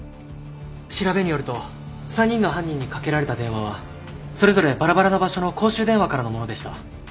調べによると３人の犯人にかけられた電話はそれぞれバラバラな場所の公衆電話からのものでした。